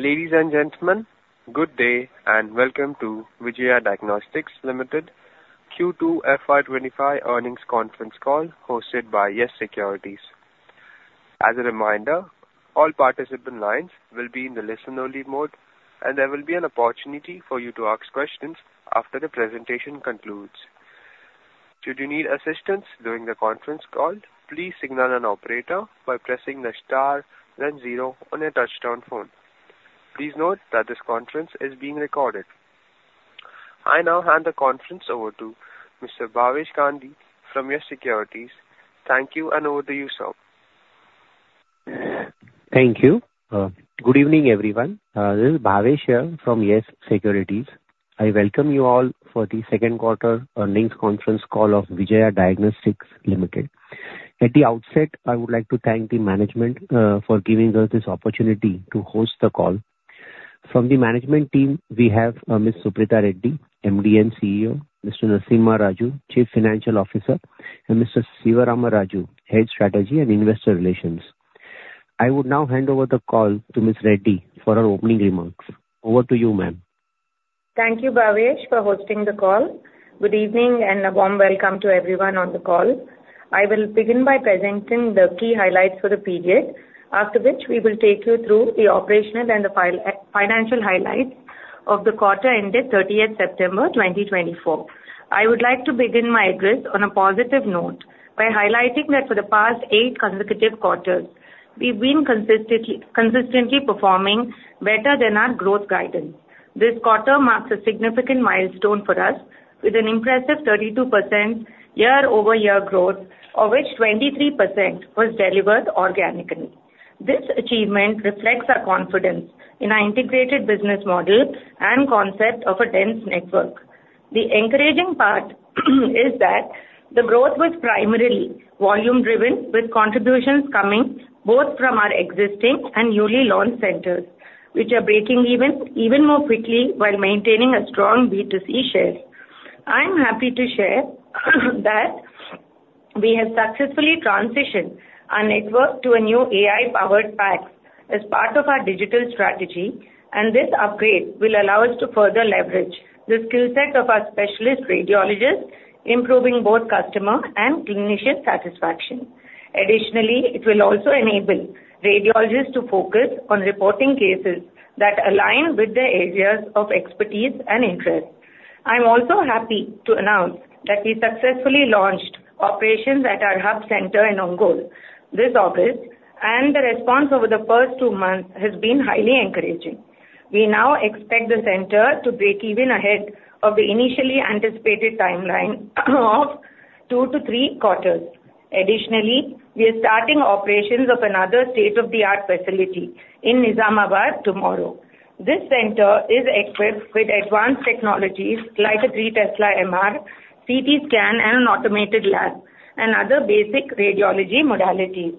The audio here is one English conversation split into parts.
Ladies and gentlemen, good day and welcome to Vijaya Diagnostics Limited Q2 FY25 earnings conference call hosted by Yes Securities. As a reminder, all participant lines will be in the listen-only mode, and there will be an opportunity for you to ask questions after the presentation concludes. Should you need assistance during the conference call, please signal an operator by pressing the star then zero on your touch-tone phone. Please note that this conference is being recorded. I now hand the conference over to Mr. Bhavesh Gandhi from Yes Securities. Thank you, and over to you, sir. Thank you. Good evening, everyone. This is Bhavesh here from Yes Securities. I welcome you all for the second quarter earnings conference call of Vijaya Diagnostics Limited. At the outset, I would like to thank the management for giving us this opportunity to host the call. From the management team, we have Ms. Suprita Reddy, MD and CEO, Mr. Narasimha Raju, Chief Financial Officer, and Mr. Siva Rama Raju, Head Strategy and Investor Relations. I would now hand over the call to Ms. Reddy for her opening remarks. Over to you, ma'am. Thank you, Bhavesh, for hosting the call. Good evening and a warm welcome to everyone on the call. I will begin by presenting the key highlights for the period, after which we will take you through the operational and the financial highlights of the quarter ended 30th September 2024. I would like to begin my address on a positive note by highlighting that for the past eight consecutive quarters, we've been consistently performing better than our growth guidance. This quarter marks a significant milestone for us, with an impressive 32% year-over-year growth, of which 23% was delivered organically. This achievement reflects our confidence in our integrated business model and concept of a dense network. The encouraging part is that the growth was primarily volume-driven, with contributions coming both from our existing and newly launched centers, which are breaking even more quickly while maintaining a strong B2C share. I'm happy to share that we have successfully transitioned our network to a new AI-powered PACS as part of our digital strategy, and this upgrade will allow us to further leverage the skill set of our specialist radiologists, improving both customer and clinician satisfaction. Additionally, it will also enable radiologists to focus on reporting cases that align with their areas of expertise and interest. I'm also happy to announce that we successfully launched operations at our hub center in Ongole. This office and the response over the first two months has been highly encouraging. We now expect the center to break even ahead of the initially anticipated timeline of two to three quarters. Additionally, we are starting operations of another state-of-the-art facility in Nizamabad tomorrow. This center is equipped with advanced technologies like a 3 Tesla MRI, CT scan, and an automated lab, and other basic radiology modalities.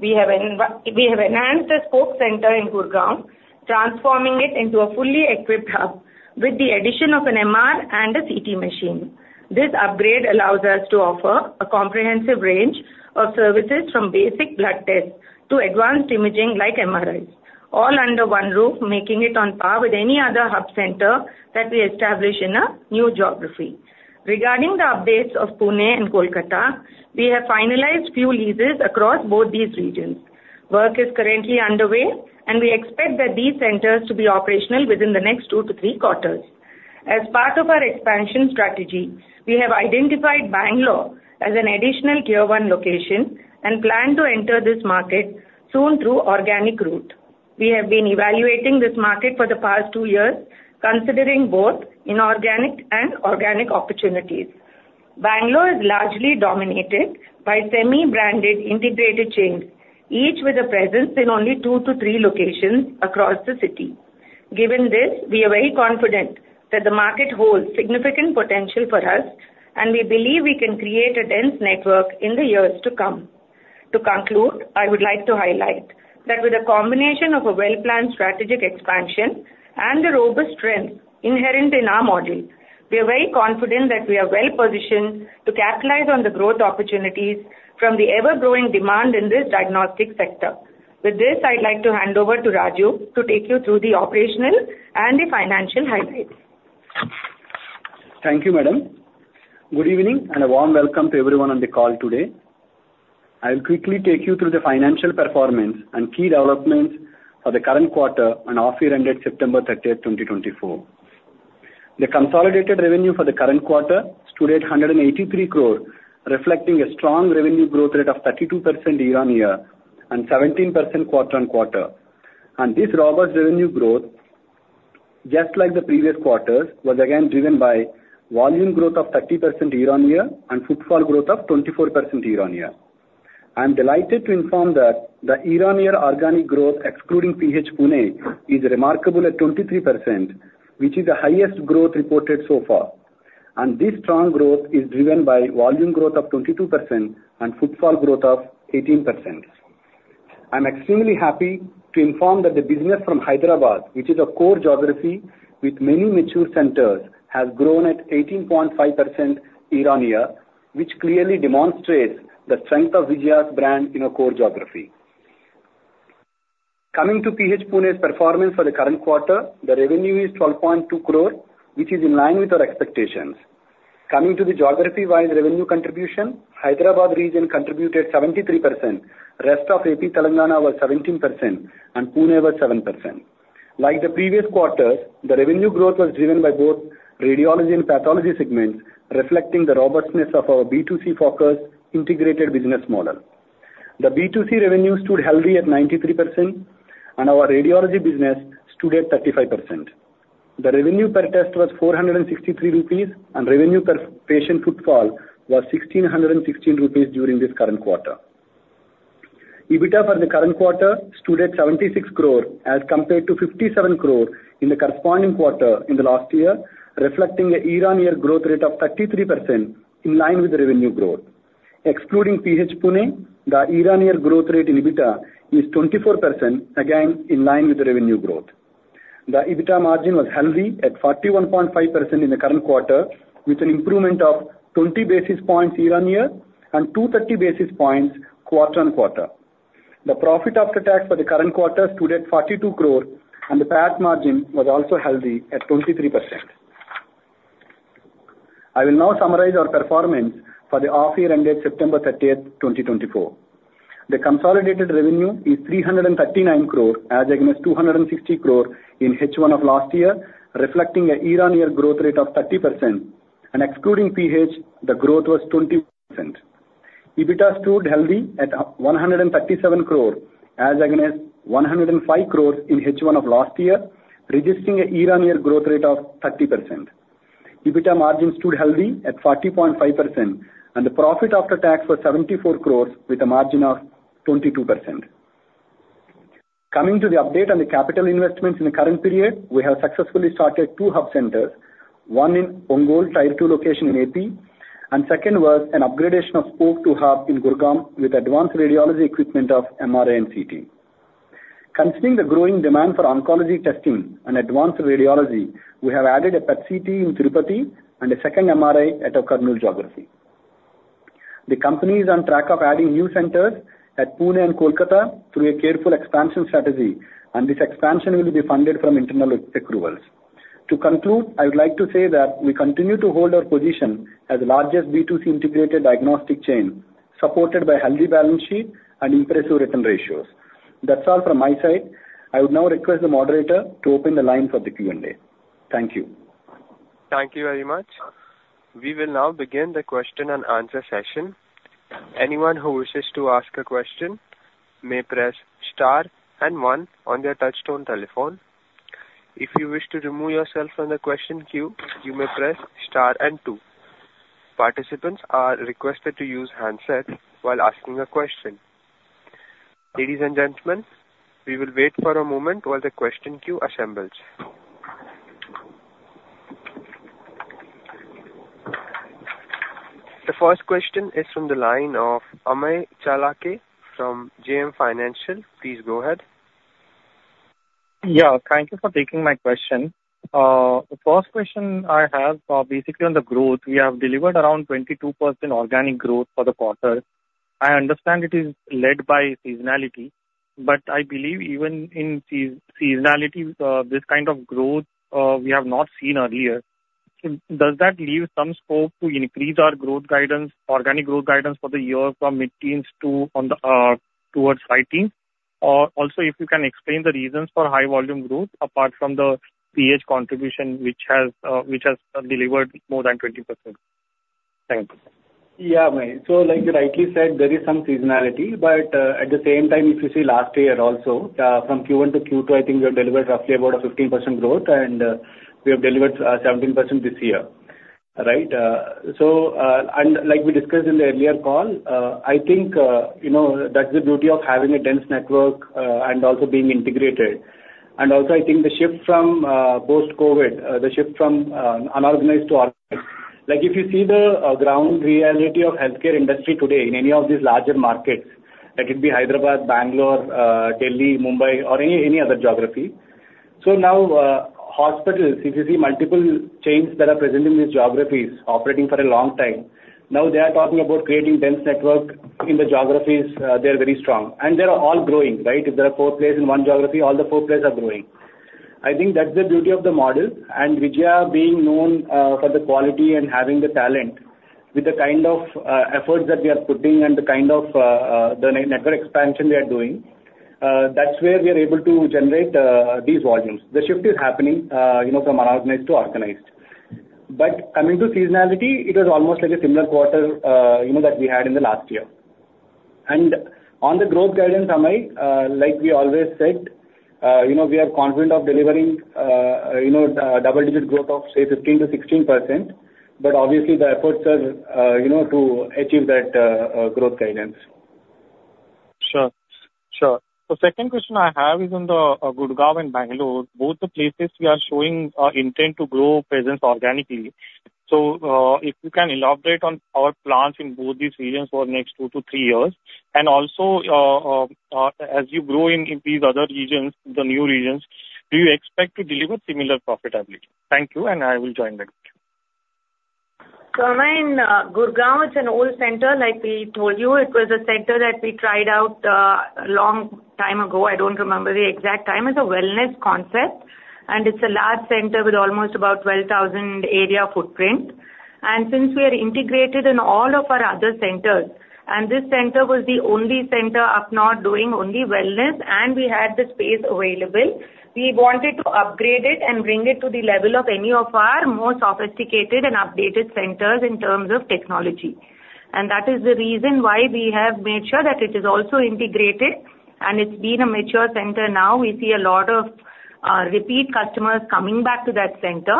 We have enhanced the spoke center in Gurugram, transforming it into a fully equipped hub with the addition of an MRI and a CT machine. This upgrade allows us to offer a comprehensive range of services, from basic blood tests to advanced imaging like MRIs, all under one roof, making it on par with any other hub center that we establish in a new geography. Regarding the updates of Pune and Kolkata, we have finalized few leases across both these regions. Work is currently underway, and we expect that these centers to be operational within the next two to three quarters. As part of our expansion strategy, we have identified Bengaluru as an additional tier-one location and plan to enter this market soon through the organic route. We have been evaluating this market for the past two years, considering both inorganic and organic opportunities. Bangalore is largely dominated by semi-branded integrated chains, each with a presence in only two to three locations across the city. Given this, we are very confident that the market holds significant potential for us, and we believe we can create a dense network in the years to come. To conclude, I would like to highlight that with a combination of a well-planned strategic expansion and the robust strength inherent in our model, we are very confident that we are well-positioned to capitalize on the growth opportunities from the ever-growing demand in this diagnostic sector. With this, I'd like to hand over to Raju to take you through the operational and the financial highlights. Thank you, madam. Good evening and a warm welcome to everyone on the call today. I'll quickly take you through the financial performance and key developments for the current quarter and half-year ended September 30th, 2024. The consolidated revenue for the current quarter stood at 183 crore, reflecting a strong revenue growth rate of 32% year-on-year and 17% quarter-on-quarter. And this robust revenue growth, just like the previous quarters, was again driven by volume growth of 30% year-on-year and footfall growth of 24% year-on-year. I'm delighted to inform that the year-on-year organic growth, excluding PH Pune, is remarkable at 23%, which is the highest growth reported so far. And this strong growth is driven by volume growth of 22% and footfall growth of 18%. I'm extremely happy to inform that the business from Hyderabad, which is a core geography with many mature centers, has grown at 18.5% year-on-year, which clearly demonstrates the strength of Vijaya's brand in a core geography. Coming to PH Pune's performance for the current quarter, the revenue is 12.2 crore, which is in line with our expectations. Coming to the geography-wide revenue contribution, Hyderabad region contributed 73%, the rest of AP Telangana was 17%, and Pune was 7%. Like the previous quarters, the revenue growth was driven by both radiology and pathology segments, reflecting the robustness of our B2C focus integrated business model. The B2C revenue stood healthy at 93%, and our radiology business stood at 35%. The revenue per test was ₹463, and revenue per patient footfall was ₹1,616 during this current quarter. EBITDA for the current quarter stood at 76 crore, as compared to 57 crore in the corresponding quarter in the last year, reflecting a year-on-year growth rate of 33% in line with the revenue growth. Excluding PH Pune, the year-on-year growth rate in EBITDA is 24%, again in line with the revenue growth. The EBITDA margin was healthy at 41.5% in the current quarter, with an improvement of 20 basis points year-on-year and 230 basis points quarter-on-quarter. The profit after tax for the current quarter stood at 42 crore, and the PAT margin was also healthy at 23%. I will now summarize our performance for the half-year ended September 30th, 2024. The consolidated revenue is 339 crore, as against 260 crore in H1 of last year, reflecting a year-on-year growth rate of 30%. Excluding PH, the growth was 21%. EBITDA stood healthy at 137 crore, as against 105 crore in H1 of last year, registering a year-on-year growth rate of 30%. EBITDA margin stood healthy at 40.5%, and the profit after tax was 74 crore, with a margin of 22%. Coming to the update on the capital investments in the current period, we have successfully started two hub centers: one in Ongole, tier two location in AP, and the second was an upgradation of spoke to hub in Gurgaon with advanced radiology equipment of MRI and CT. Considering the growing demand for oncology testing and advanced radiology, we have added a PET CT in Tirupati and a second MRI at a Kurnool geography. The company is on track of adding new centers at Pune and Kolkata through a careful expansion strategy, and this expansion will be funded from internal accruals. To conclude, I would like to say that we continue to hold our position as the largest B2C integrated diagnostic chain, supported by a healthy balance sheet and impressive return ratios. That's all from my side. I would now request the moderator to open the line for the Q&A. Thank you. Thank you very much. We will now begin the question and answer session. Anyone who wishes to ask a question may press star and one on their touch-tone telephone. If you wish to remove yourself from the question queue, you may press star and two. Participants are requested to use handsets while asking a question. Ladies and gentlemen, we will wait for a moment while the question queue assembles. The first question is from the line of Amey Chalke from JM Financial. Please go ahead. Yeah, thank you for taking my question. The first question I have basically on the growth. We have delivered around 22% organic growth for the quarter. I understand it is led by seasonality, but I believe even in seasonality, this kind of growth we have not seen earlier. Does that leave some scope to increase our organic growth guidance for the year from mid-teens to towards high teens? Also, if you can explain the reasons for high volume growth apart from the PH contribution, which has delivered more than 20%. Thank you. Yeah, so like you rightly said, there is some seasonality, but at the same time, if you see last year also, from Q1 to Q2, I think we have delivered roughly about a 15% growth, and we have delivered 17% this year. Right? And like we discussed in the earlier call, I think that's the beauty of having a dense network and also being integrated. And also, I think the shift from post-COVID, the shift from unorganized to... Like if you see the ground reality of the healthcare industry today in any of these larger markets, that could be Hyderabad, Bangalore, Delhi, Mumbai, or any other geography. So now hospitals, if you see multiple chains that are present in these geographies operating for a long time, now they are talking about creating dense networks in the geographies they are very strong. And they are all growing, right? If there are four players in one geography, all the four players are growing. I think that's the beauty of the model. And Vijaya being known for the quality and having the talent, with the kind of efforts that we are putting and the kind of network expansion we are doing, that's where we are able to generate these volumes. The shift is happening from unorganized to organized. But coming to seasonality, it was almost like a similar quarter that we had in the last year. And on the growth guidance, Amey, like we always said, we are confident of delivering double-digit growth of, say, 15%-16%, but obviously the efforts are to achieve that growth guidance. Sure. Sure. The second question I have is on the Gurgaon and Bangalore, both the places we are showing our intent to grow presence organically. So if you can elaborate on our plans in both these regions for the next two to three years, and also as you grow in these other regions, the new regions, do you expect to deliver similar profitability? Thank you, and I will join that. So Amey, Gurgaon is an old center. Like we told you, it was a center that we tried out a long time ago. I don't remember the exact time. It's a wellness concept, and it's a large center with almost about 12,000 area footprint. And since we are integrated in all of our other centers, and this center was the only center up north doing only wellness, and we had the space available, we wanted to upgrade it and bring it to the level of any of our more sophisticated and updated centers in terms of technology. And that is the reason why we have made sure that it is also integrated, and it's been a mature center now. We see a lot of repeat customers coming back to that center,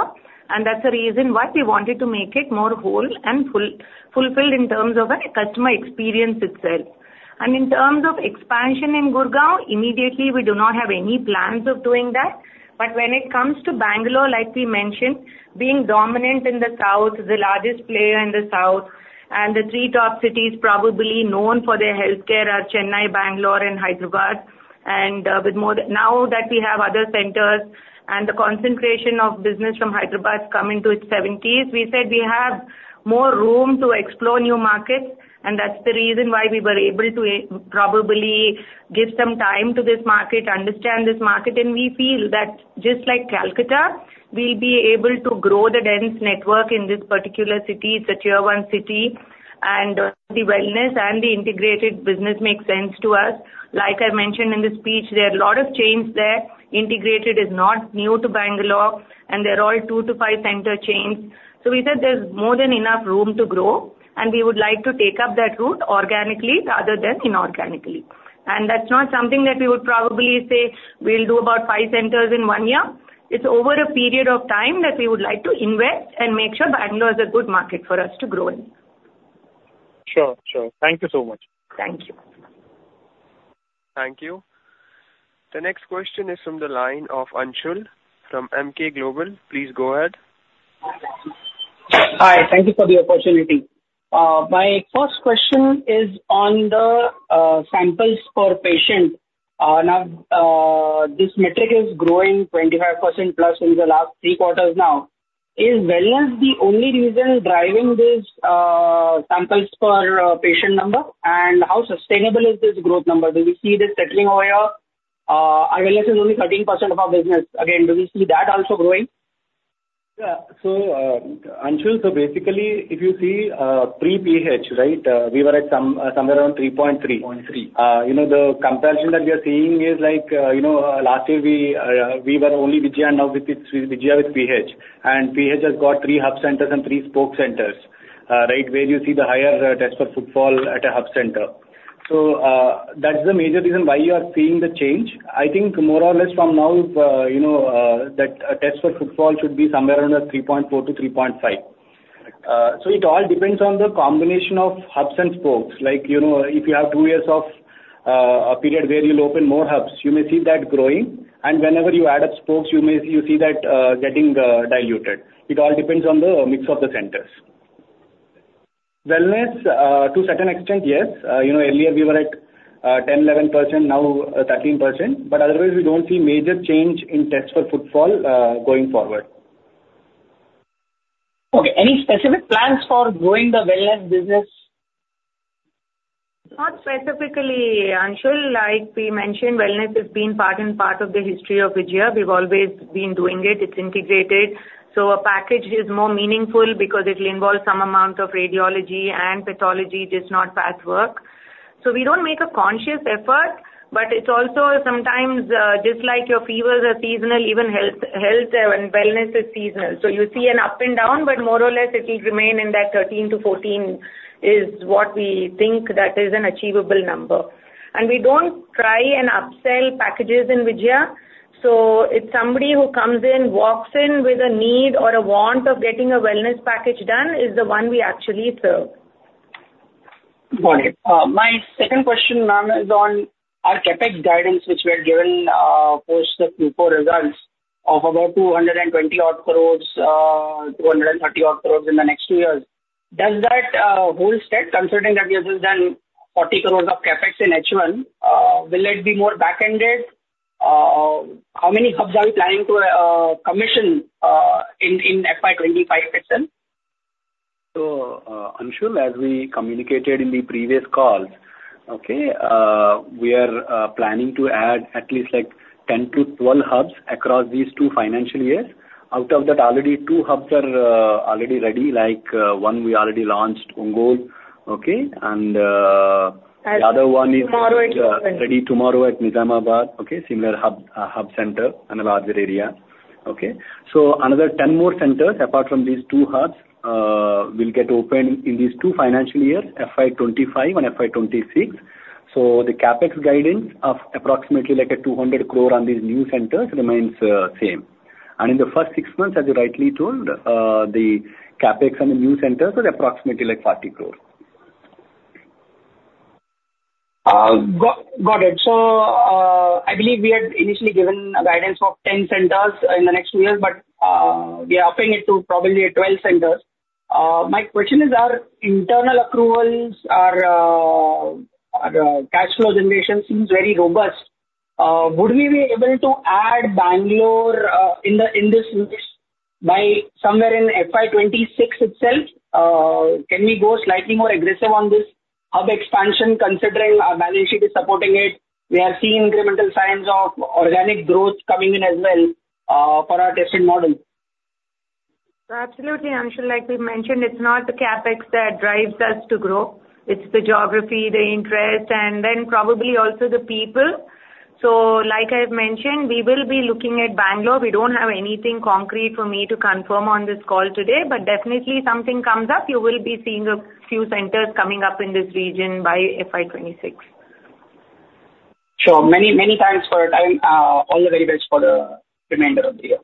and that's the reason why we wanted to make it more whole and fulfilled in terms of a customer experience itself. And in terms of expansion in Gurgaon, immediately we do not have any plans of doing that. But when it comes to Bangalore, like we mentioned, being dominant in the south, the largest player in the south, and the three top cities probably known for their healthcare are Chennai, Bangalore, and Hyderabad. Now that we have other centers and the concentration of business from Hyderabad coming to its 70s, we said we have more room to explore new markets, and that's the reason why we were able to probably give some time to this market, understand this market, and we feel that just like Kolkata, we'll be able to grow the dense network in this particular city. It's a tier-one city, and the wellness and the integrated business make sense to us. Like I mentioned in the speech, there are a lot of chains there. Integrated is not new to Bengaluru, and they're all two to five center chains. So we said there's more than enough room to grow, and we would like to take up that route organically rather than inorganically. That's not something that we would probably say we'll do about five centers in one year. It's over a period of time that we would like to invest and make sure Bangalore is a good market for us to grow in. Sure. Sure. Thank you so much. Thank you. Thank you. The next question is from the line of Anshul from Emkay Global. Please go ahead. Hi. Thank you for the opportunity. My first question is on the samples per patient. Now, this metric is growing 25% plus in the last three quarters now. Is wellness the only reason driving this samples per patient number? And how sustainable is this growth number? Do we see this settling over here? Awareness is only 13% of our business. Again, do we see that also growing? Yeah. So Anshul, so basically, if you see pre-PH, right, we were at somewhere around 3.3. The comparison that we are seeing is like last year we were only Vijaya and now Vijaya with PH. And PH has got three hub centers and three spoke centers, right, where you see the higher test for footfall at a hub center. So that's the major reason why you are seeing the change. I think more or less from now that test for footfall should be somewhere around 3.4 to 3.5. So it all depends on the combination of hubs and spokes. Like if you have two years of a period where you'll open more hubs, you may see that growing. And whenever you add up spokes, you see that getting diluted. It all depends on the mix of the centers. Wellness, to a certain extent, yes. Earlier we were at 10%, 11%, now 13%. But otherwise, we don't see major change in tests per footfall going forward. Okay. Any specific plans for growing the wellness business? Not specifically. Anshul, like we mentioned, wellness has been part and parcel of the history of Vijaya. We've always been doing it. It's integrated. So a package is more meaningful because it will involve some amount of radiology and pathology, just not fast work. So we don't make a conscious effort, but it's also sometimes just like your fevers are seasonal, even health and wellness is seasonal. So you see an up and down, but more or less it will remain in that 13-14, which is what we think is an achievable number. We don't try and upsell packages in Vijaya. So it's somebody who comes in, walks in with a need or a want of getting a wellness package done who is the one we actually serve. Got it. My second question is on our CapEx guidance, which we are given post the Q4 results of about 220-odd crores, 230-odd crores in the next two years. Does that whole step, considering that you have just done 40 crores of CapEx in H1, will it be more back-ended? How many hubs are we planning to commission in FY25 itself? So Anshul, as we communicated in the previous calls, okay, we are planning to add at least like 10-12 hubs across these two financial years. Out of that, already two hubs are already ready, like one we already launched, Ongole. Okay? And the other one is ready tomorrow at Nizamabad, okay, similar hub center in a larger area. Okay? So another 10 more centers apart from these two hubs will get opened in these two financial years, FY25 and FY26. So the CapEx guidance of approximately like 200 crore on these new centers remains the same. And in the first six months, as you rightly told, the CapEx on the new centers was approximately like 40 crore. Got it, so I believe we had initially given a guidance of 10 centers in the next two years, but we are upping it to probably 12 centers. My question is, our internal accruals or cash flow generation seems very robust. Would we be able to add Bangalore in this by somewhere in FY26 itself? Can we go slightly more aggressive on this hub expansion, considering our balance sheet is supporting it? We are seeing incremental signs of organic growth coming in as well for our tested model. Absolutely. Anshul, like we mentioned, it's not the CapEx that drives us to grow. It's the geography, the interest, and then probably also the people. So like I've mentioned, we will be looking at Bangalore. We don't have anything concrete for me to confirm on this call today, but definitely if something comes up, you will be seeing a few centers coming up in this region by FY26. Sure. Many thanks for your time. All the very best for the remainder of the year.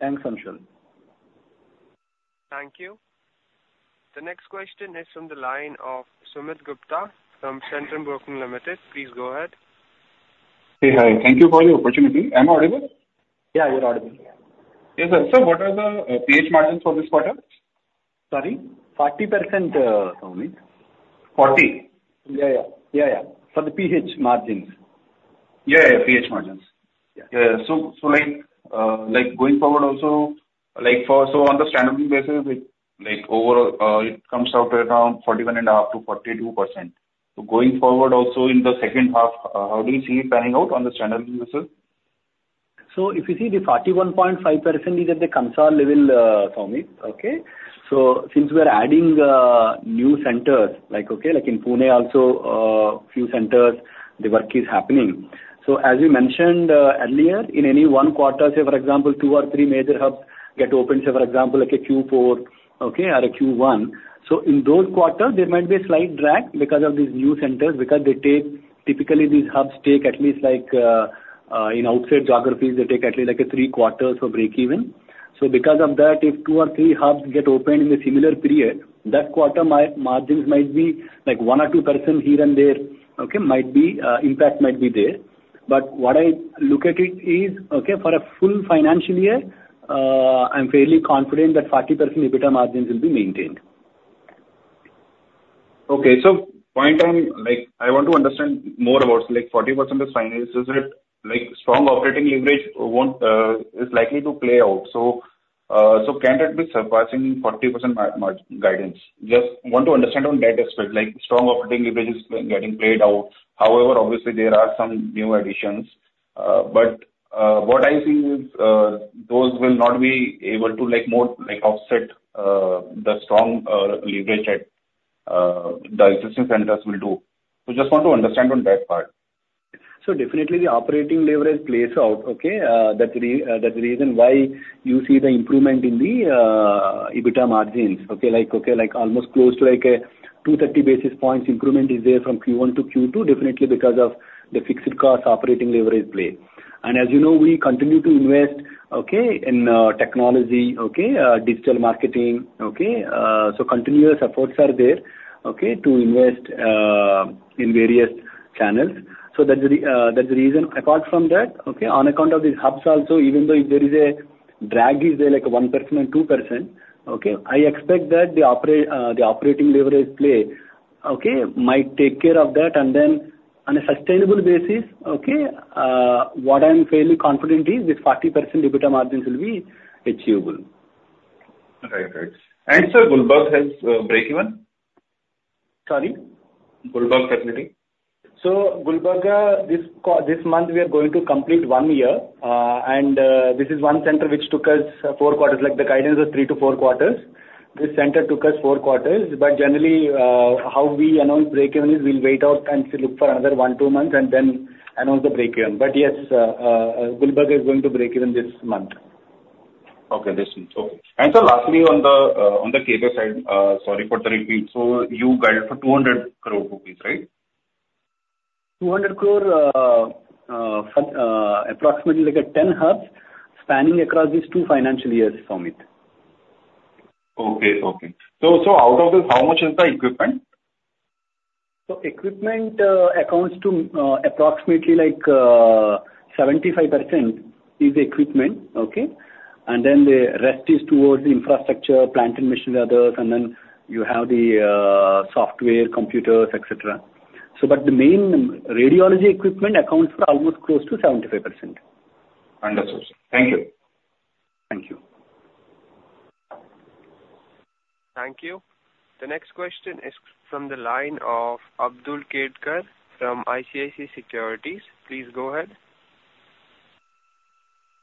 Thanks, Anshul. Thank you. The next question is from the line of Sumit Gupta from Centrum Broking Limited. Please go ahead. Hey, hi. Thank you for the opportunity. Am I audible? Yeah, you're audible. Yes, sir, so what are the PH margins for this quarter? Sorry? 40%, Sumit. 40? Yeah, yeah. Yeah, yeah. For the PH margins? Yeah, yeah, PH margins. Yeah, yeah. So going forward also, so on the standalone basis, it comes out around 41.5%-42%. So going forward also in the second half, how do you see it panning out on the standalone basis? So if you see the 41.5% is at the consolidated level, Sumit. Okay? So since we are adding new centers, okay, like in Pune also, a few centers, the work is happening. So as we mentioned earlier, in any one quarter, say, for example, two or three major hubs get opened, say, for example, like a Q4, okay, or a Q1. So in those quarters, there might be a slight drag because of these new centers because they take typically these hubs take at least like in outside geographies, they take at least like three quarters for breakeven. So because of that, if two or three hubs get opened in a similar period, that quarter margins might be like 1% or 2% here and there, okay, impact might be there. But what I look at it is, okay, for a full financial year, I'm fairly confident that 40% EBITDA margins will be maintained. Okay. So, point one, I want to understand more about 40% EBITDA. Is it strong operating leverage is likely to play out? So, can that be surpassing 40% guidance? Just want to understand on that aspect. Strong operating leverage is getting played out. However, obviously, there are some new additions. But what I see is those will not be able to offset the strong leverage that the existing centers will do. So just want to understand on that part. So definitely the operating leverage plays out, okay, that's the reason why you see the improvement in the EBITDA margins. Okay? Like almost close to like a 230 basis points improvement is there from Q1 to Q2, definitely because of the fixed cost operating leverage play. And as you know, we continue to invest, okay, in technology, okay, digital marketing. Okay? So continuous efforts are there, okay, to invest in various channels. So that's the reason. Apart from that, okay, on account of these hubs also, even though if there is a drag, is there like a 1% and 2%, okay, I expect that the operating leverage play, okay, might take care of that. And then on a sustainable basis, okay, what I'm fairly confident is this 40% EBITDA margins will be achievable. Okay. Great. And so Gulbarga has breakeven? Sorry? Gulbarga facility. Gulbarga, this month we are going to complete one year. This is one center which took us four quarters. Like the guidance was three-to-four quarters. This center took us four quarters. Generally, how we announce breakeven is we'll wait out and look for another one-to-two months and then announce the breakeven. Yes, Gulbarga is going to breakeven this month. Okay, lastly on the CapEx side, sorry for the repeat. So you guided for 200 crore rupees, right? 200 crore, approximately like 10 hubs spanning across these two financial years, Sumit. Okay. Okay. So out of this, how much is the equipment? So equipment accounts to approximately like 75% is equipment, okay? And then the rest is towards the infrastructure, plant and machinery others, and then you have the software, computers, etc. But the main radiology equipment accounts for almost close to 75%. Understood. Thank you. Thank you. Thank you. The next question is from the line of Abdulkader Puranwala from ICICI Securities. Please go ahead.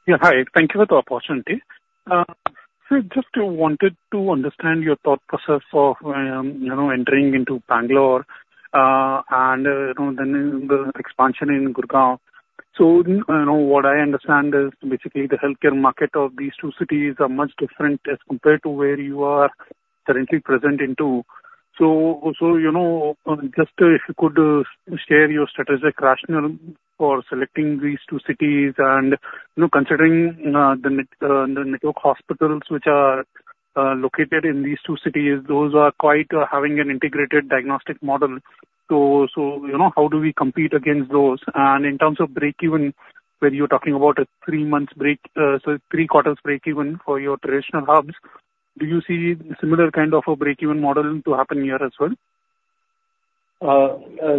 Yeah. Hi. Thank you for the opportunity. So just wanted to understand your thought process of entering into Bangalore and then the expansion in Gurgaon. So what I understand is basically the healthcare market of these two cities are much different as compared to where you are currently present in two. So just if you could share your strategic rationale for selecting these two cities and considering the network hospitals which are located in these two cities, those are quite having an integrated diagnostic model. So how do we compete against those? And in terms of breakeven, when you're talking about a three-quarters breakeven for your traditional hubs, do you see similar kind of a breakeven model to happen here as well? So in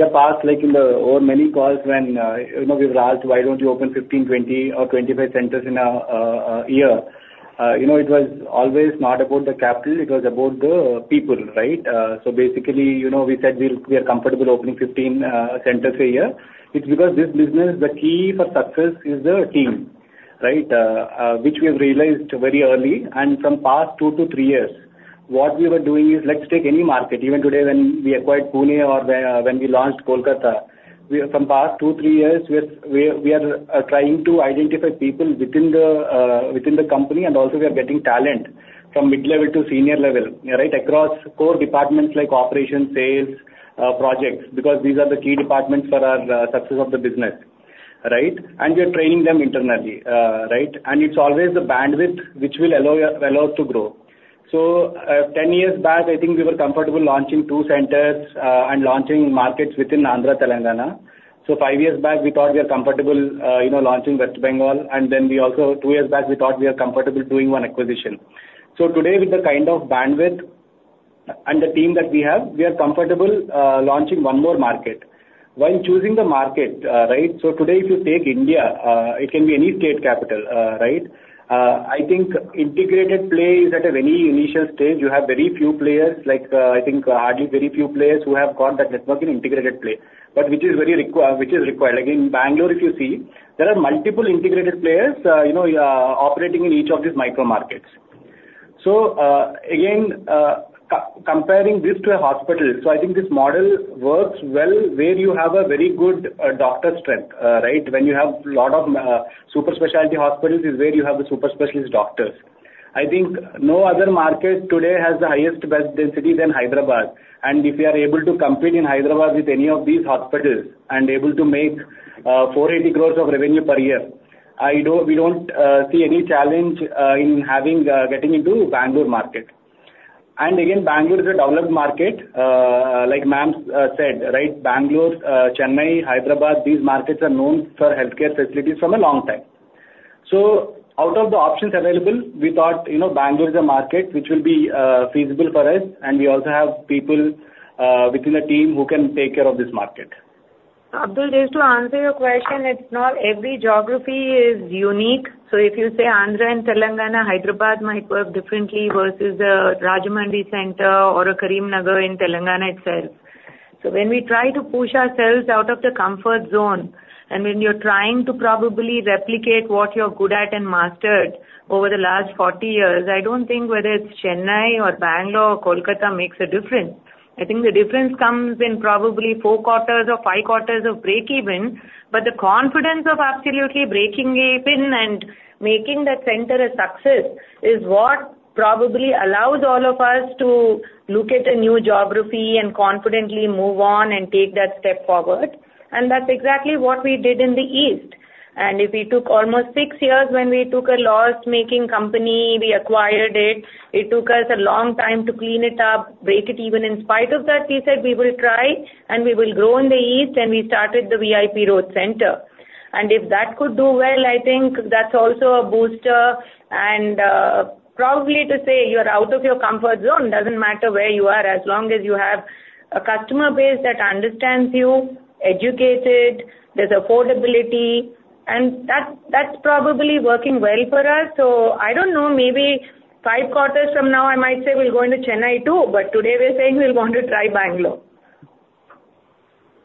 the past, like in the over many calls when we were asked, "Why don't you open 15, 20, or 25 centers in a year?" It was always not about the capital. It was about the people, right? So basically, we said we are comfortable opening 15 centers a year. It's because this business, the key for success is the team, right, which we have realized very early. And from past two to three years, what we were doing is let's take any market. Even today when we acquired Pune or when we launched Kolkata, from past two to three years, we are trying to identify people within the company and also we are getting talent from mid-level to senior level, right, across core departments like operations, sales, projects, because these are the key departments for our success of the business, right? And we are training them internally, right? It's always the bandwidth which will allow us to grow. Ten years back, I think we were comfortable launching two centers and launching markets within Andhra, Telangana. Five years back, we thought we were comfortable launching West Bengal. Then two years back, we thought we were comfortable doing one acquisition. Today, with the kind of bandwidth and the team that we have, we are comfortable launching one more market. While choosing the market, right? Today if you take India, it can be any state capital, right? I think integrated play is at a very initial stage. You have very few players, like I think hardly very few players who have got that network in integrated play, but which is very required. Again, in Bangalore, if you see, there are multiple integrated players operating in each of these micro markets. So again, comparing this to a hospital, so I think this model works well where you have a very good doctor strength, right? When you have a lot of super specialty hospitals is where you have the super specialty doctors. I think no other market today has the highest density than Hyderabad. And if you are able to compete in Hyderabad with any of these hospitals and able to make 480 crores of revenue per year, we don't see any challenge in getting into Bangalore market. And again, Bangalore is a developed market. Like ma'am said, right, Bangalore, Chennai, Hyderabad, these markets are known for healthcare facilities from a long time. So out of the options available, we thought Bangalore is a market which will be feasible for us. And we also have people within the team who can take care of this market. Abdul, just to answer your question, it's not every geography is unique. So if you say Andhra and Telangana, Hyderabad might work differently versus the Rajahmundry center or a Karimnagar in Telangana itself. So when we try to push ourselves out of the comfort zone and when you're trying to probably replicate what you're good at and mastered over the last 40 years, I don't think whether it's Chennai or Bangalore or Kolkata makes a difference. I think the difference comes in probably four quarters or five quarters of breakeven. But the confidence of absolutely breaking even and making that center a success is what probably allows all of us to look at a new geography and confidently move on and take that step forward, and that's exactly what we did in the east. And if we took almost six years when we took a loss-making company, we acquired it. It took us a long time to clean it up, break it even. In spite of that, we said we will try and we will grow in the east. And we started the VIP Road Center. And if that could do well, I think that's also a booster. And probably to say you're out of your comfort zone doesn't matter where you are as long as you have a customer base that understands you, educated, there's affordability. And that's probably working well for us. So I don't know, maybe five quarters from now, I might say we'll go into Chennai too. But today we're saying we'll want to try Bangalore.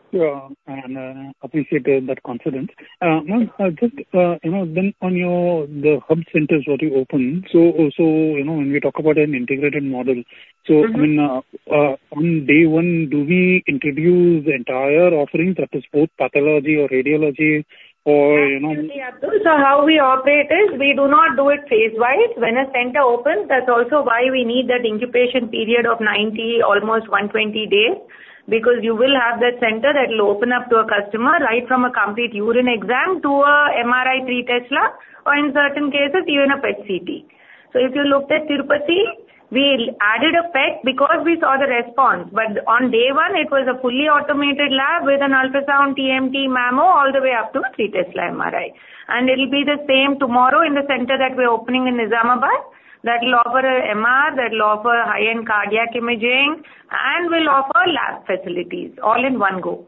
Yeah. And I appreciate that confidence. Just on the hub centers that you opened, so when we talk about an integrated model, so I mean, on day one, do we introduce the entire offering that is both pathology or radiology or? Definitely, Abdulkader. So how we operate is we do not do it phase-wise. When a center opens, that's also why we need that incubation period of 90, almost 120 days, because you will have that center that will open up to a customer right from a complete urine exam to an MRI, three Tesla, or in certain cases, even a PET CT. So if you looked at Tirupati, we added a PET because we saw the response. But on day one, it was a fully automated lab with an ultrasound, TMT, Mammo, all the way up to a three Tesla MRI. And it'll be the same tomorrow in the center that we're opening in Nizamabad. That will offer an MR, that will offer high-end cardiac imaging, and will offer lab facilities all in one go.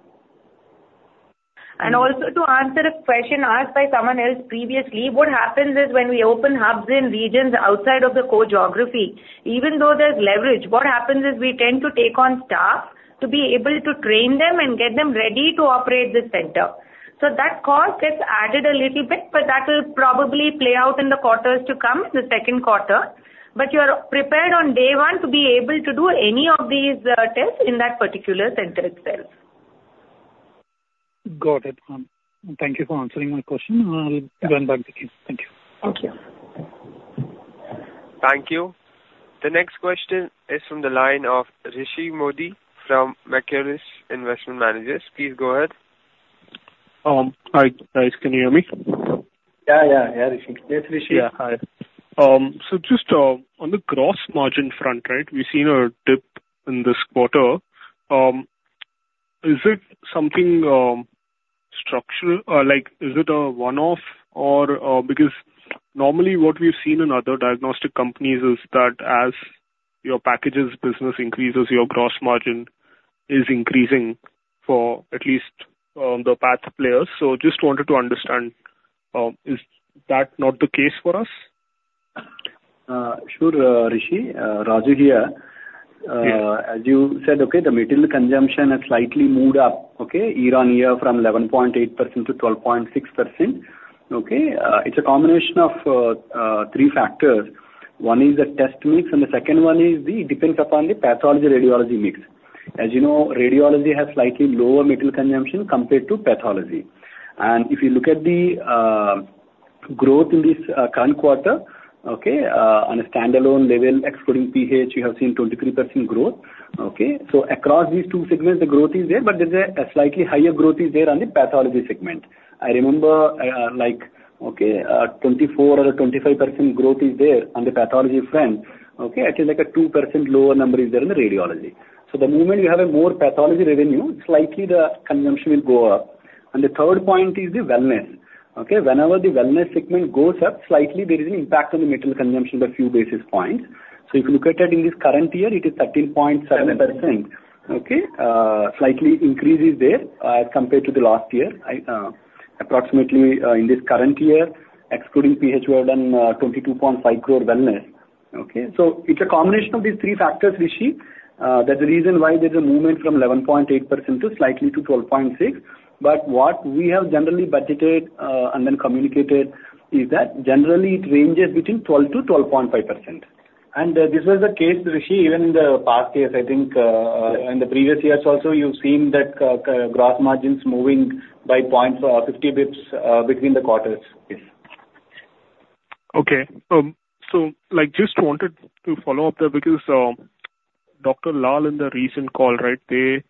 And also, to answer a question asked by someone else previously, what happens is when we open hubs in regions outside of the core geography, even though there's leverage, what happens is we tend to take on staff to be able to train them and get them ready to operate the center. So that cost gets added a little bit, but that will probably play out in the quarters to come, the second quarter. But you are prepared on day one to be able to do any of these tests in that particular center itself. Got it. Thank you for answering my question. I'll go and back again. Thank you. Thank you. Thank you. The next question is from the line of Rishi Mody from Mercurus Investment Managers. Please go ahead. Hi, guys, can you hear me? Yeah. Yeah. Yeah, Rishi. Yes, Rishi. Yeah. Hi. So just on the gross margin front, right? We've seen a dip in this quarter. Is it something structural? Is it a one-off? Because normally what we've seen in other diagnostic companies is that as your packages business increases, your gross margin is increasing for at least the path players. So just wanted to understand, is that not the case for us? Sure, Rishi. Raju here. As you said, okay, the material consumption has slightly moved up, okay, year on year from 11.8% to 12.6%. Okay? It's a combination of three factors. One is the test mix, and the second one is depends upon the pathology radiology mix. As you know, radiology has slightly lower material consumption compared to pathology. And if you look at the growth in this current quarter, okay, on a standalone level, excluding PH, you have seen 23% growth. Okay? So across these two segments, the growth is there, but there's a slightly higher growth is there on the pathology segment. I remember like, okay, 24 or 25% growth is there on the pathology front. Okay? I think like a 2% lower number is there in the radiology. So the moment you have more pathology revenue, slightly the consumption will go up. The third point is the wellness. Okay? Whenever the wellness segment goes up, slightly there is an impact on the material consumption by a few basis points. So if you look at it in this current year, it is 13.7%. Okay? Slightly increase is there as compared to the last year. Approximately in this current year, excluding P.H., we've done 22.5 crore wellness. Okay? So it's a combination of these three factors, Rishi. That's the reason why there's a movement from 11.8% to slightly to 12.6%. But what we have generally budgeted and then communicated is that generally it ranges between 12%-12.5%. And this was the case, Rishi, even in the past years. I think in the previous years also, you've seen that gross margins moving by points or 50 basis points between the quarters. Okay, so just wanted to follow up there because Dr. Lal in the recent call, right, they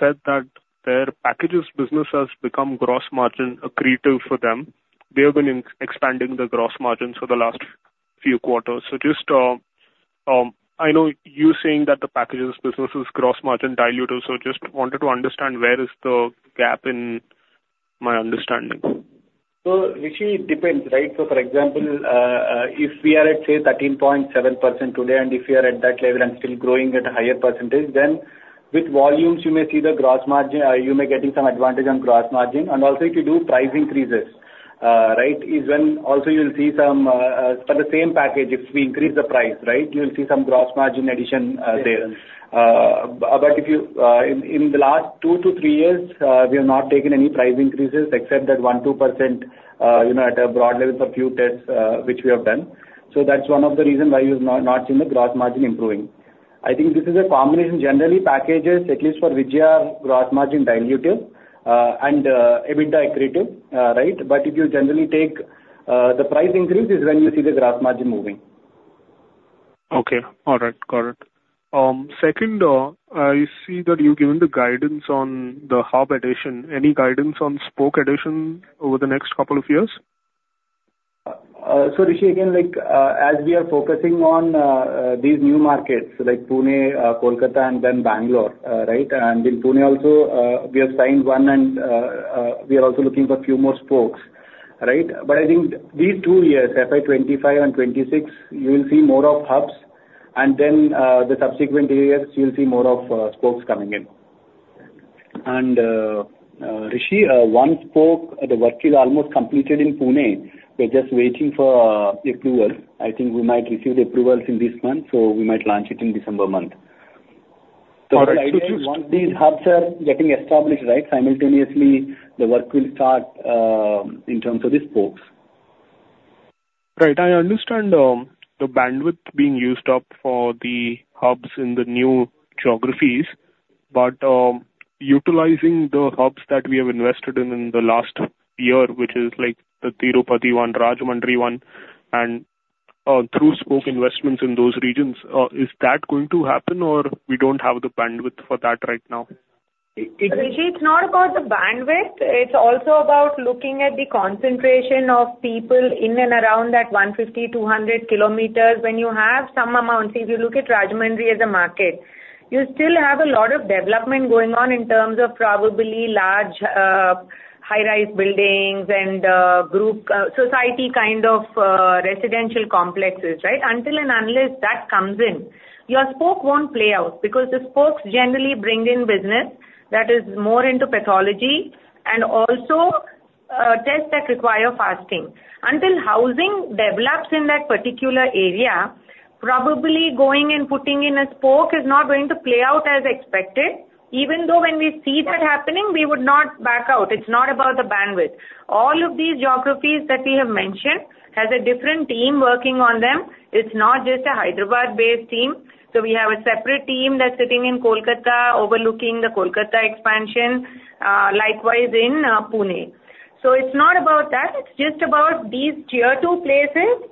said that their packages business has become gross margin accretive for them. They have been expanding the gross margin for the last few quarters. So, just, I know you're saying that the packages business is gross margin diluted. So just wanted to understand where is the gap in my understanding. So Rishi, it depends, right? So for example, if we are at, say, 13.7% today, and if you are at that level and still growing at a higher percentage, then with volumes, you may see the gross margin, you may getting some advantage on gross margin. And also if you do price increases, right, is when also you'll see some for the same package, if we increase the price, right, you'll see some gross margin addition there. But in the last two to three years, we have not taken any price increases except that 1%-2% at a broad level for a few tests which we have done. So that's one of the reasons why you've not seen the gross margin improving. I think this is a combination generally packages, at least for VGR, gross margin dilutive and a bit accretive, right? But if you generally take the price increase, it's when you see the gross margin moving. Okay. All right. Got it. Second, I see that you've given the guidance on the hub addition. Any guidance on spoke addition over the next couple of years? Rishi, again, as we are focusing on these new markets like Pune, Kolkata, and then Bangalore, right? And in Pune also, we have signed one and we are also looking for a few more spokes, right? But I think these two years, FY 25 and 26, you will see more of hubs. And then the subsequent years, you'll see more of spokes coming in. And Rishi, one spoke, the work is almost completed in Pune. We're just waiting for approval. I think we might receive the approvals in this month, so we might launch it in December month. So the idea is once these hubs are getting established, right, simultaneously, the work will start in terms of the spokes. Right. I understand the bandwidth being used up for the hubs in the new geographies, but utilizing the hubs that we have invested in the last year, which is like the Tirupati one, Rajahmundry one, and through spoke investments in those regions, is that going to happen or we don't have the bandwidth for that right now? Rishi, it's not about the bandwidth. It's also about looking at the concentration of people in and around that 150-200 kilometers. When you have some amount, if you look at Rajahmundry as a market, you still have a lot of development going on in terms of probably large high-rise buildings and society kind of residential complexes, right? Until an analyst that comes in, your spoke won't play out because the spokes generally bring in business that is more into pathology and also tests that require fasting. Until housing develops in that particular area, probably going and putting in a spoke is not going to play out as expected. Even though when we see that happening, we would not back out. It's not about the bandwidth. All of these geographies that we have mentioned have a different team working on them. It's not just a Hyderabad-based team. We have a separate team that's sitting in Kolkata overlooking the Kolkata expansion, likewise in Pune. It's not about that. It's just about these tier two places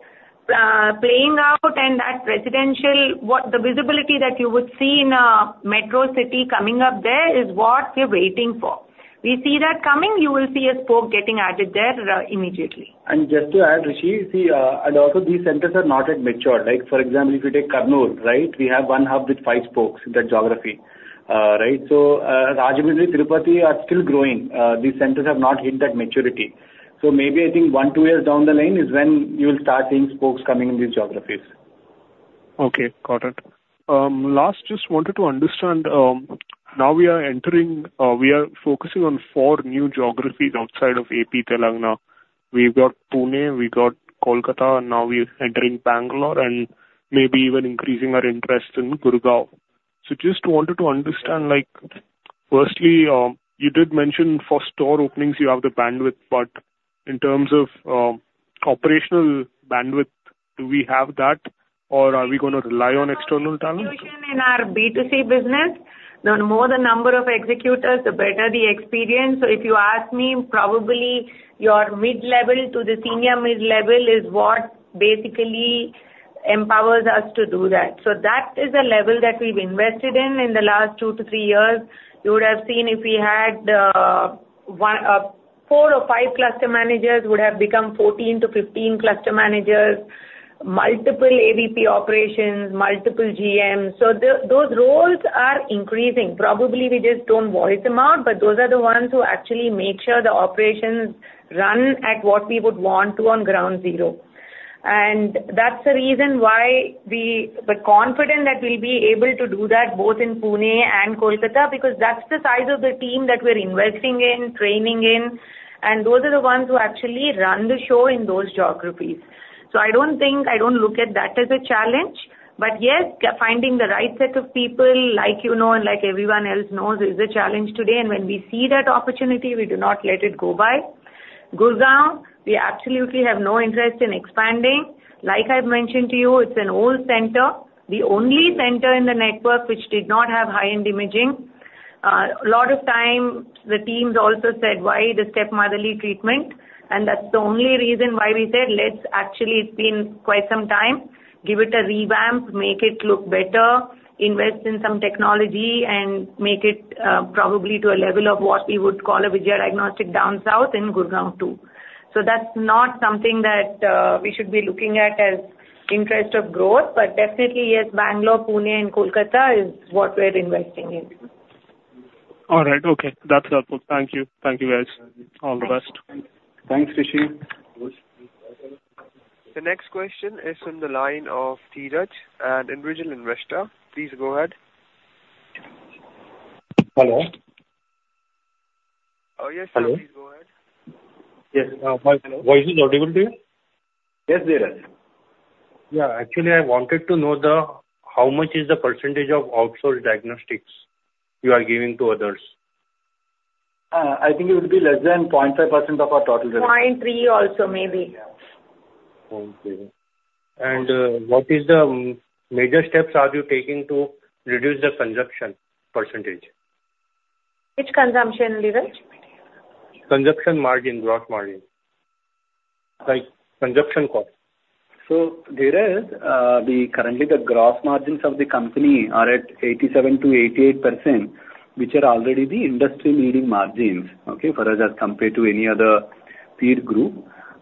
playing out and that residential, the visibility that you would see in a metro city coming up there is what we're waiting for. We see that coming. You will see a spoke getting added there immediately. Just to add, Rishi, see, and also these centers are not yet mature. For example, if you take Kurnool, right, we have one hub with five spokes in that geography, right? So Rajahmundry, Tirupati are still growing. These centers have not hit that maturity. So maybe I think one, two years down the line is when you will start seeing spokes coming in these geographies. Okay. Got it. Last, just wanted to understand, now we are entering, we are focusing on four new geographies outside of AP Telangana. We've got Pune, we've got Kolkata, and now we're entering Bangalore and maybe even increasing our interest in Gurgaon. So just wanted to understand, firstly, you did mention for store openings, you have the bandwidth, but in terms of operational bandwidth, do we have that or are we going to rely on external talent? In our B2C business, the more the number of executives, the better the experience. So if you ask me, probably your mid-level to the senior mid-level is what basically empowers us to do that. So that is a level that we've invested in in the last two-to-three years. You would have seen if we had four or five cluster managers, would have become 14-15 cluster managers, multiple AVP operations, multiple GMs. So those roles are increasing. Probably we just don't voice them out, but those are the ones who actually make sure the operations run at what we would want to on ground zero. And that's the reason why we are confident that we'll be able to do that both in Pune and Kolkata because that's the size of the team that we're investing in, training in, and those are the ones who actually run the show in those geographies. So I don't think I don't look at that as a challenge. But yes, finding the right set of people, like you know and like everyone else knows, is a challenge today. And when we see that opportunity, we do not let it go by. Gurgaon, we absolutely have no interest in expanding. Like I've mentioned to you, it's an old center, the only center in the network which did not have high-end imaging. A lot of time, the teams also said, "Why the stepmotherly treatment?" And that's the only reason why we said, "Let's actually, it's been quite some time, give it a revamp, make it look better, invest in some technology, and make it probably to a level of what we would call a VGR diagnostic down south in Gurugram too." So that's not something that we should be looking at as interest of growth, but definitely, yes, Bengaluru, Pune, and Kolkata is what we're investing in. All right. Okay. That's helpful. Thank you. Thank you, guys. All the best. Thanks, Rishi. The next question is in the line of Dheeraj and Individual Investor. Please go ahead. Hello? Yes, sir. Please go ahead. Yes. My voice is audible to you? Yes, Dheeraj. Yeah. Actually, I wanted to know how much is the percentage of outsourced diagnostics you are giving to others? I think it would be less than 0.5% of our total revenue. 0.3% also maybe. And what is the major steps are you taking to reduce the consumption percentage? Which consumption, Dheeraj? Consumption margin, gross margin. Consumption cost. So, Dheeraj, currently the gross margins of the company are at 87%-88%, which are already the industry-leading margins, okay, for us as compared to any other peer group.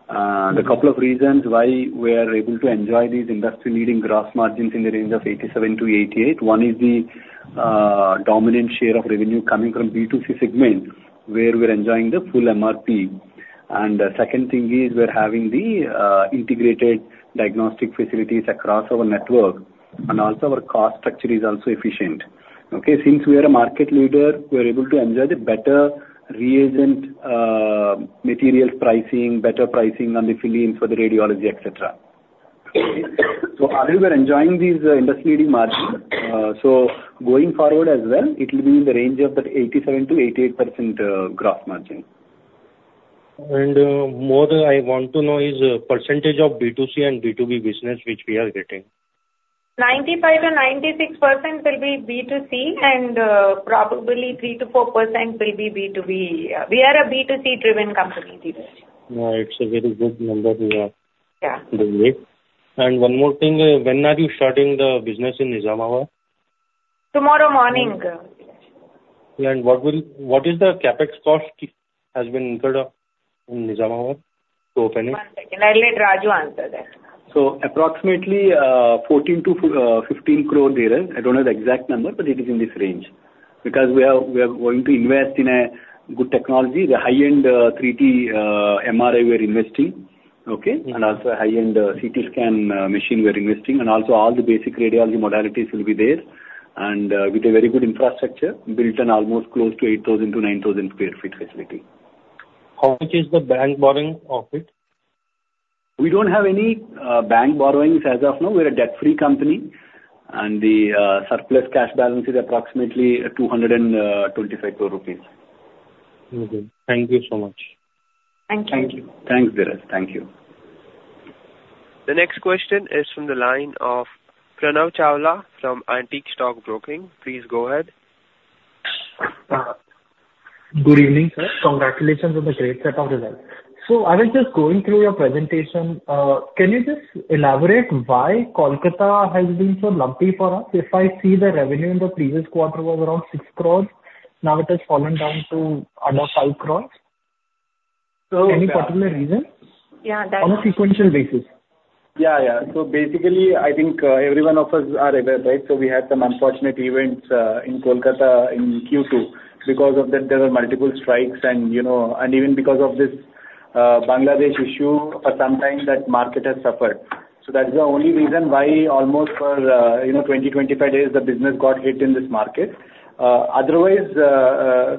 The couple of reasons why we are able to enjoy these industry-leading gross margins in the range of 87%-88%. One is the dominant share of revenue coming from B2C segment where we're enjoying the full MRP. And the second thing is we're having the integrated diagnostic facilities across our network. And also our cost structure is also efficient. Okay? Since we are a market leader, we're able to enjoy the better reagent material pricing, better pricing on the billings for the radiology, etc. So as we're enjoying these industry-leading margins, so going forward as well, it will be in the range of that 87%-88% gross margin. More than I want to know is percentage of B2C and B2B business which we are getting? 95% to 96% will be B2C, and probably 3% to 4% will be B2B. We are a B2C-driven company, Dheeraj. Yeah. It's a very good number we have. And one more thing, when are you starting the business in Nizamabad? Tomorrow morning. What is the CapEx cost has been incurred in Nizamabad to open it? One second. I'll let Raju answer that. Approximately INR 14-15 crore, Dheeraj. I don't have the exact number, but it is in this range. Because we are going to invest in a good technology, the high-end 3 Tesla MRI we're investing, okay, and also a high-end CT scan machine we're investing. Also all the basic radiology modalities will be there. With a very good infrastructure built on almost close to 8,000-9,000 sq ft facility. How much is the bank borrowing of it? We don't have any bank borrowings as of now. We're a debt-free company. And the surplus cash balance is approximately 225 crore rupees. Okay. Thank you so much. Thank you. Thank you. Thanks, Dheeraj. Thank you. The next question is from the line of Pranav Chawla from Antique Stock Broking. Please go ahead. Good evening, sir. Congratulations on the great set of results. So I was just going through your presentation. Can you just elaborate why Kolkata has been so lumpy for us? If I see the revenue in the previous quarter was around 6 crores, now it has fallen down to under 5 crores. Any particular reason? Yeah. That's. On a sequential basis. Yeah. Yeah. So basically, I think every one of us are aware, right? So we had some unfortunate events in Kolkata in Q2. Because of that, there were multiple strikes. And even because of this Bangladesh issue, for some time, that market has suffered. So that's the only reason why almost for 20-25 days, the business got hit in this market. Otherwise,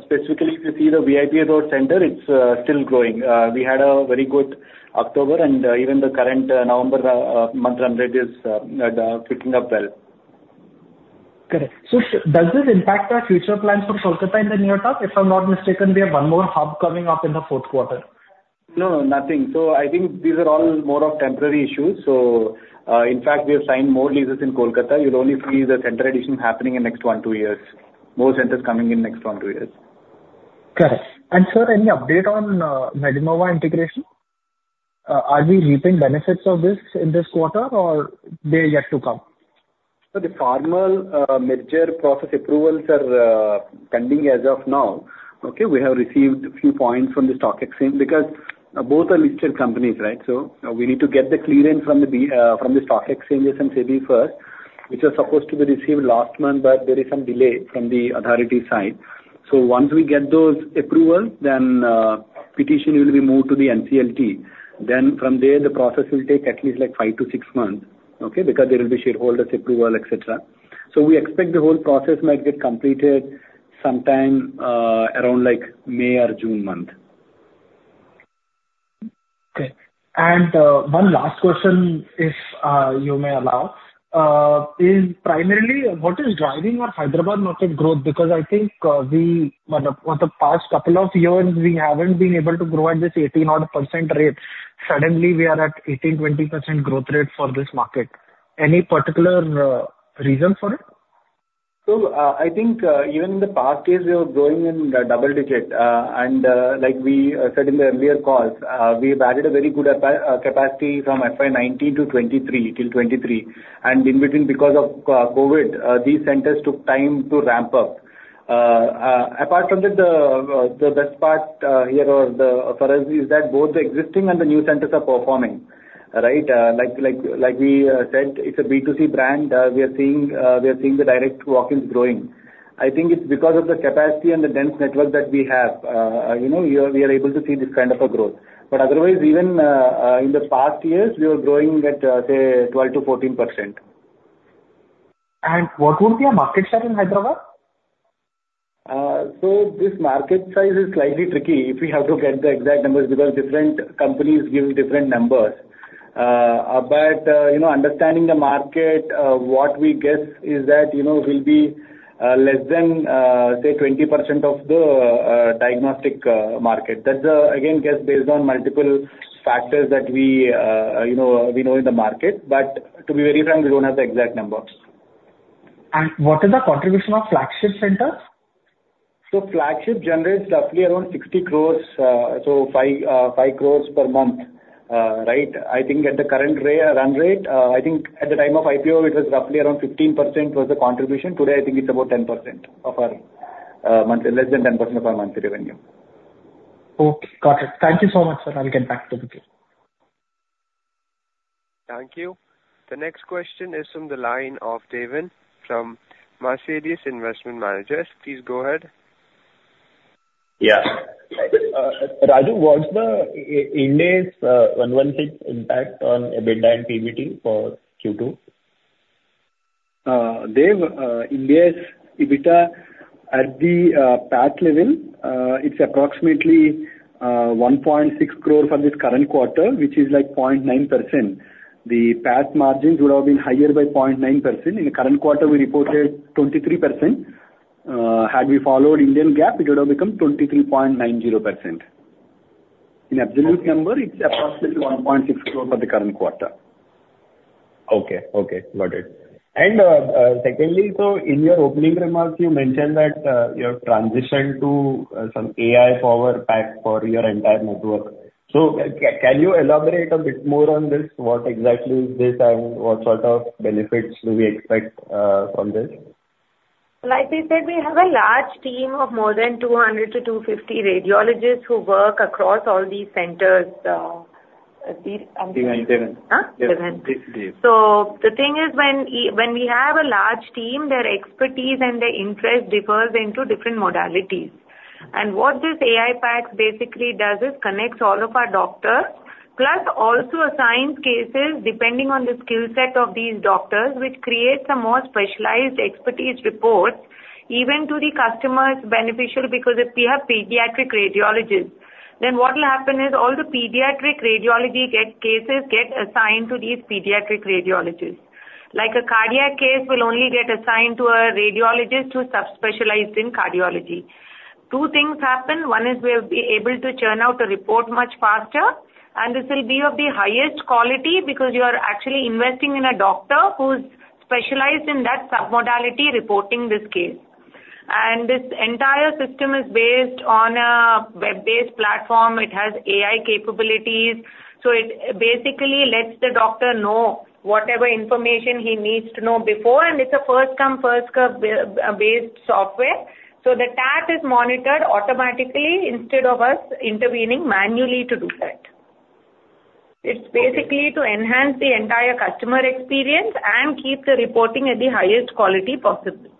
specifically, if you see the VIP Road Center, it's still growing. We had a very good October, and even the current November month ramp up is picking up well. Got it. So does this impact our future plans for Kolkata in the near term? If I'm not mistaken, we have one more hub coming up in the fourth quarter. No, nothing. So I think these are all more of temporary issues. So in fact, we have signed more leases in Kolkata. You'll only see the center addition happening in the next one, two years. More centers coming in the next one, two years. Got it. And sir, any update on Medinova integration? Are we reaping benefits of this in this quarter or they're yet to come? So the formal merger process approvals are pending as of now. Okay? We have received a few points from the stock exchange because both are listed companies, right? So we need to get the clearance from the stock exchanges and SEBI first, which was supposed to be received last month, but there is some delay from the authority side. So once we get those approvals, then petition will be moved to the NCLT. Then from there, the process will take at least like five to six months, okay, because there will be shareholders' approval, etc. So we expect the whole process might get completed sometime around May or June month. Okay. And one last question, if you may allow, is primarily what is driving our Hyderabad market growth? Because I think for the past couple of years, we haven't been able to grow at this 18-odd% rate. Suddenly, we are at 18-20% growth rate for this market. Any particular reason for it? I think even in the past years, we were growing in double digit. Like we said in the earlier calls, we've added a very good capacity from FY 2019 to 2023. In between, because of COVID, these centers took time to ramp up. Apart from that, the best part here for us is that both the existing and the new centers are performing, right? Like we said, it's a B2C brand. We are seeing the direct walk-ins growing. I think it's because of the capacity and the dense network that we have. We are able to see this kind of a growth. Otherwise, even in the past years, we were growing at, say, 12%-14%. What would be our market share in Hyderabad? So this market size is slightly tricky if we have to get the exact numbers because different companies give different numbers. But understanding the market, what we guess is that will be less than, say, 20% of the diagnostic market. That's again, guess based on multiple factors that we know in the market. But to be very frank, we don't have the exact number. What is the contribution of flagship centers? So flagship generates roughly around 60 crores, so 5 crores per month, right? I think at the current run rate, I think at the time of IPO, it was roughly around 15% was the contribution. Today, I think it's about 10% of our monthly, less than 10% of our monthly revenue. Okay. Got it. Thank you so much, sir. I'll get back to the team. Thank you. The next question is from the line of Devang from Marcellus Investment Managers. Please go ahead. Yes. Raju, what's the Ind AS 116 impact on EBITDA and PBT for Q2? Dev, Ind AS EBITDA at the PAT level, it's approximately 1.6 crore for this current quarter, which is like 0.9%. The PAT margins would have been higher by 0.9%. In the current quarter, we reported 23%. Had we followed Indian GAAP, it would have become 23.90%. In absolute number, it's approximately 1.6 crore for the current quarter. Okay. Okay. Got it. And secondly, so in your opening remarks, you mentioned that your transition to some AI-powered PACS for your entire network. So can you elaborate a bit more on this? What exactly is this and what sort of benefits do we expect from this? Like we said, we have a large team of more than 200-250 radiologists who work across all these centers. Devang. Devang. So the thing is, when we have a large team, their expertise and their interest differs into different modalities. And what this AI PACS basically does is connects all of our doctors, plus also assigns cases depending on the skill set of these doctors, which creates a more specialized expertise report, even to the customer's beneficial because if we have pediatric radiologists, then what will happen is all the pediatric radiology cases get assigned to these pediatric radiologists. Like a cardiac case will only get assigned to a radiologist who's subspecialized in cardiology. Two things happen. One is we'll be able to churn out a report much faster, and this will be of the highest quality because you are actually investing in a doctor who's specialized in that submodality reporting this case. And this entire system is based on a web-based platform. It has AI capabilities. It basically lets the doctor know whatever information he needs to know before. It's a first-come, first-served software. The TAT is monitored automatically instead of us intervening manually to do that. It's basically to enhance the entire customer experience and keep the reporting at the highest quality possible.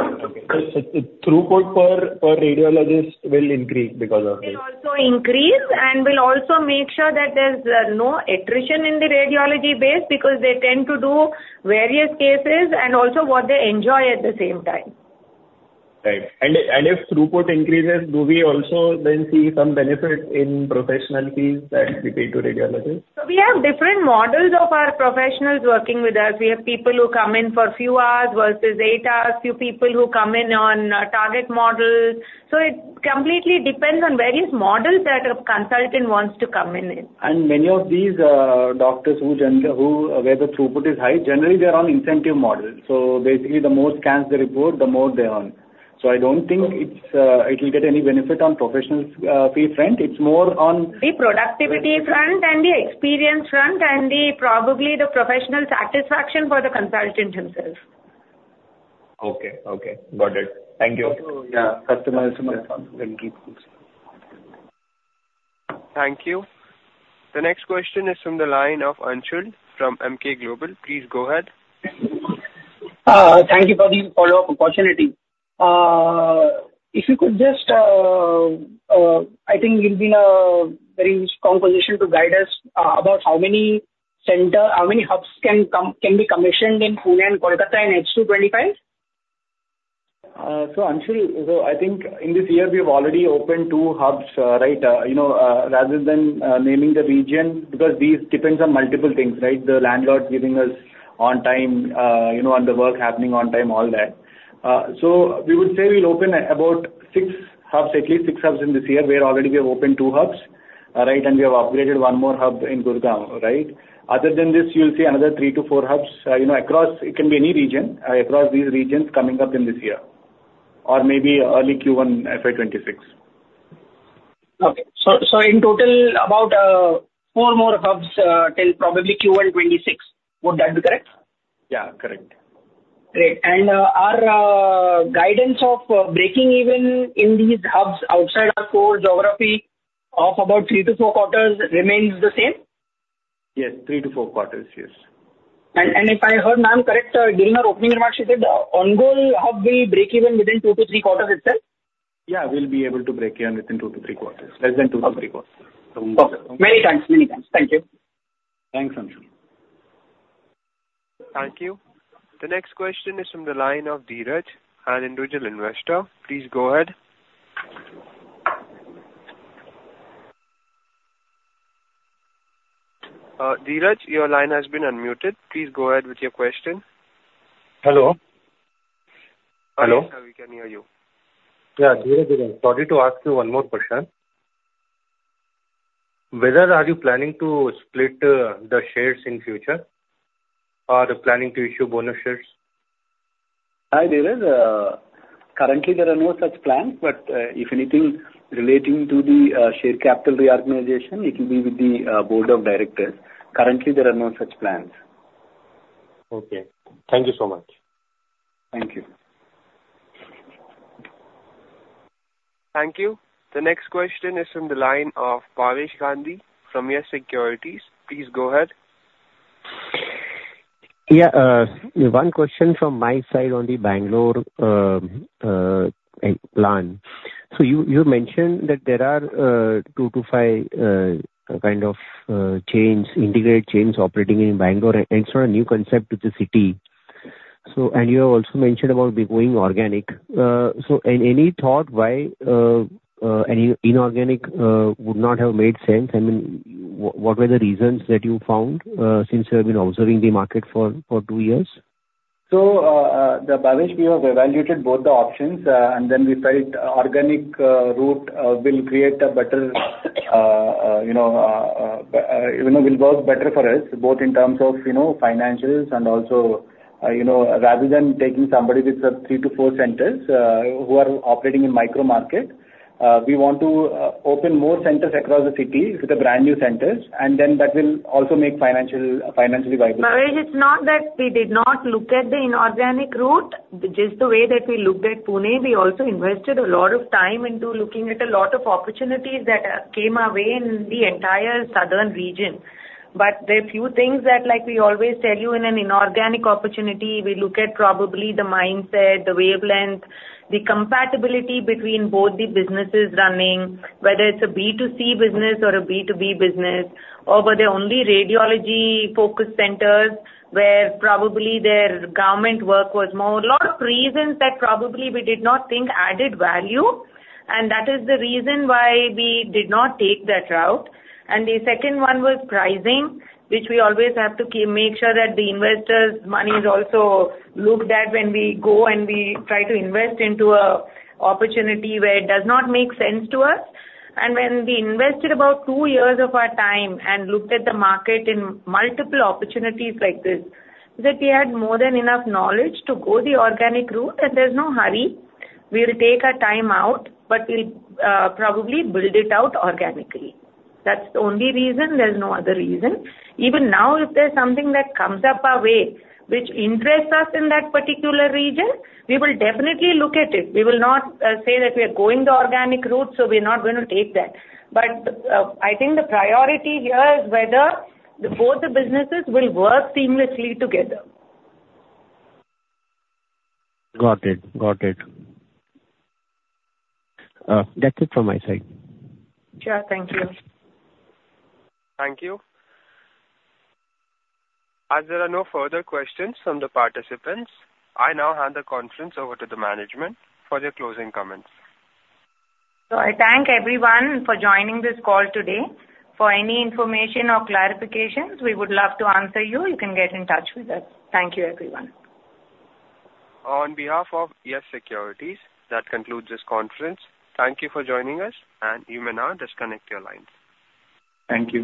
Okay. Throughput per radiologist will increase because of this. It will also increase and will also make sure that there's no attrition in the radiology base because they tend to do various cases and also what they enjoy at the same time. Right. And if throughput increases, do we also then see some benefits in professional fees that we pay to radiologists? So we have different models of our professionals working with us. We have people who come in for a few hours versus eight hours, a few people who come in on target models. So it completely depends on various models that a consultant wants to come in. Many of these doctors where the throughput is high, generally they're on incentive models. Basically, the more scans they report, the more they earn. I don't think it will get any benefit on professional fee front. It's more on. The productivity front and the experience front and probably the professional satisfaction for the consultant himself. Okay. Okay. Got it. Thank you. Yeah. Customer responsibility. Thank you. The next question is from the line of Anshul from Emkay Global. Please go ahead. Thank you for the follow-up opportunity. If you could just, I think you've been a very strong position to guide us about how many hubs can be commissioned in Pune and Kolkata in H2 FY25? Anshul, so I think in this year, we have already opened two hubs, right? Rather than naming the region, because these depends on multiple things, right? The landlords giving us on time and the work happening on time, all that. We would say we'll open about six hubs, at least six hubs in this year. We're already going to open two hubs, right? And we have upgraded one more hub in Gurgaon, right? Other than this, you'll see another three to four hubs across, it can be any region, across these regions coming up in this year, or maybe early Q1 FY26. Okay. So in total, about four more hubs till probably Q1 FY26. Would that be correct? Yeah. Correct. Great. And our guidance of breaking even in these hubs outside our core geography of about three-to-four quarters remains the same? Yes. Three to four quarters. Yes. And if I heard ma'am correctly, during our opening remarks, she said the ongoing hub will break even within two to three quarters itself? Yeah. We'll be able to break even within two to three quarters, less than two to three quarters. Okay. Many thanks. Many thanks. Thank you. Thanks, Anshul. Thank you. The next question is from the line of Dheeraj, an individual investor. Please go ahead. Dheeraj, your line has been unmuted. Please go ahead with your question. Hello. Hello? Hello? We can hear you. Yeah. Sorry to ask you one more question. Are you planning to split the shares in future or planning to issue bonus shares? Hi, Dheeraj. Currently, there are no such plans, but if anything, relating to the share capital reorganization, it will be with the board of directors. Currently, there are no such plans. Okay. Thank you so much. Thank you. Thank you. The next question is from the line of Bhavesh Gandhi from Yes Securities. Please go ahead. Yeah. One question from my side on the Bangalore plan. So you mentioned that there are two to five kind of integrated chains operating in Bangalore, and it's not a new concept to the city. And you have also mentioned about becoming organic. So in any thought, why inorganic would not have made sense? I mean, what were the reasons that you found since you have been observing the market for two years? So, Bhavesh, we have evaluated both the options, and then we felt organic route will create a better work better for us, both in terms of financials and also rather than taking somebody with three to four centers who are operating in micro market, we want to open more centers across the city with the brand new centers, and then that will also make financially viable. Bhavesh, it's not that we did not look at the inorganic route. Just the way that we looked at Pune, we also invested a lot of time into looking at a lot of opportunities that came our way in the entire southern region, but there are a few things that, like we always tell you, in an inorganic opportunity, we look at probably the mindset, the wavelength, the compatibility between both the businesses running, whether it's a B2C business or a B2B business, or were there only radiology-focused centers where probably their government work was more. A lot of reasons that probably we did not think added value, and that is the reason why we did not take that route. And the second one was pricing, which we always have to make sure that the investors' money is also looked at when we go and we try to invest into an opportunity where it does not make sense to us. And when we invested about two years of our time and looked at the market in multiple opportunities like this, that we had more than enough knowledge to go the organic route, that there's no hurry. We'll take our time out, but we'll probably build it out organically. That's the only reason. There's no other reason. Even now, if there's something that comes up our way which interests us in that particular region, we will definitely look at it. We will not say that we are going the organic route, so we're not going to take that. But I think the priority here is whether both the businesses will work seamlessly together. Got it. Got it. That's it from my side. Sure. Thank you. Thank you. As there are no further questions from the participants, I now hand the conference over to the management for their closing comments. I thank everyone for joining this call today. For any information or clarifications, we would love to answer you. You can get in touch with us. Thank you, everyone. On behalf of Yes Securities, that concludes this conference. Thank you for joining us, and you may now disconnect your lines. Thank you.